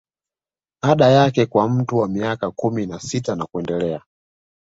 Ada yake kwa mtu wa miaka kumi na sita na kuendelea